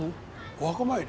お墓参り？